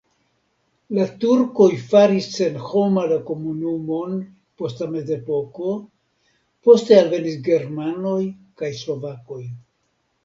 La turkoj faris senhoma la komunumon post la mezepoko, poste alvenis germanoj kaj slovakoj.